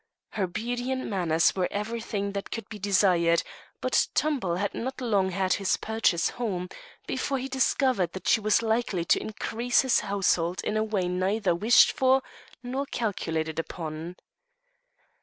Her beauty and manners were everything that could be desired, but Tumbel had not long had his purchase home before he discovered that she was likely to increase his household in a way neither wished for nor calculated upon.